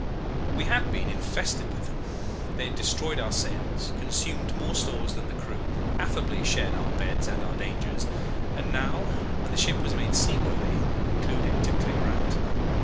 "We had been infested with them. They had destroyed our sails, consumed more stores than the crew, affably shared our beds and our dangers, and now, when the ship was made seaworthy, concluded to clear out.